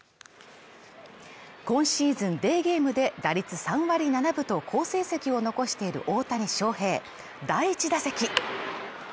今シーズンデーゲームで打率３割７分と好成績を残している大谷翔平第１打席。